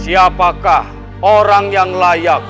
siapakah orang yang layak